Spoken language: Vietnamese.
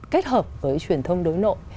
kết hợp với truyền thông đối nội